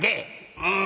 「うん」。